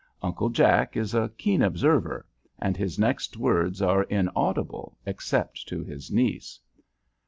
Uncle Jack is a keen observer, and his next words are inaudible except to his niece.